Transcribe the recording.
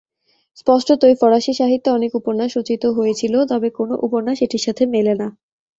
স্পষ্টতই, ফরাসী সাহিত্যে অনেক উপন্যাস রচিত হয়েছিল, তবে কোনও উপন্যাস এটির সাথে মেলে না।